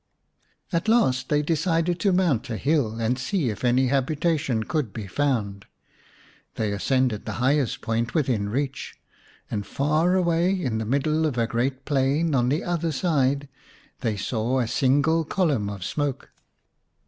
At last they decided to mount a hill and see if any habitation could be found. They ascended 133 The Cock's Kraal xi the highest point within reach, and far away, in the middle of a great plain on the other side, they saw a single column of smoke.